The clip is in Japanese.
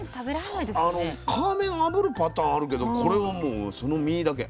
皮目をあぶるパターンあるけどこれはもうその身だけ。